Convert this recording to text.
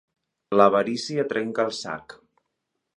L'avarícia trenca el sac.